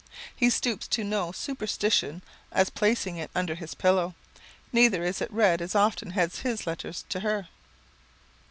He stoops to no such superstition as placing it under his pillow. Neither is it read as often as his letters to her.